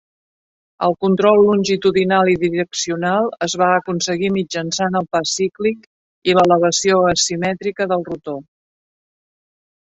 El control longitudinal i direccional es va aconseguir mitjançant el pas cíclic i l'elevació asimètrica del rotor.